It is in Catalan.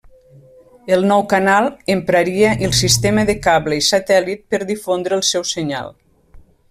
El nou canal empraria el sistema de cable i satèl·lit per difondre el seu senyal.